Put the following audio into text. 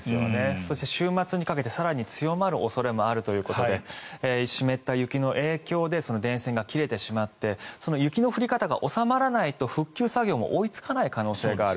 そして週末にかけて更に強まる恐れもあるということで湿った雪の影響で電線が切れてしまって雪の降り方が収まらないと復旧作業が追いつかない可能性もある